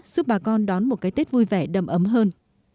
giúp bà con đón một cái tết vui vẻ đầm ấm hơn